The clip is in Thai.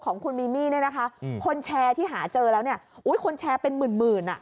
ของคุณมิมินี่นะคะคนแชร์ที่หาเจอแล้วคนแชร์เป็นหมื่นน่ะ